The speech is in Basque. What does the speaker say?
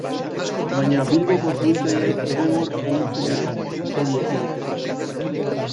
Baina Bilboko suhiltzaileek gogor egin zuten lan, hori ekiditeko.